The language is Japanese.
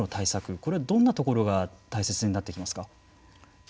これはどんなところが大切になってきますか。